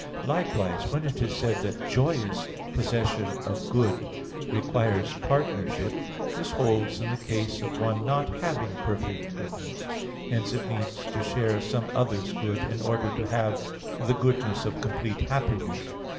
Likewise, when it is said that joyous possession of good requires partnership, this holds in the case of one not having perfect goodness: hence it needs to share some other's good, in order to have the goodness of complete happiness.